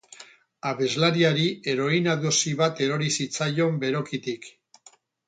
Abeslariari heroina-dosi bat erori zitzaion berokitik.